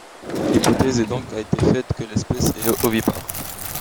L'hypothèse a donc été faite que l'espèce est ovipare.